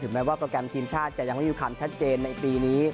แม้ว่าโปรแกรมทีมชาติจะยังไม่มีความชัดเจนในปีนี้